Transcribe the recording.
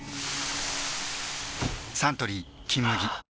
サントリー「金麦」よしっ！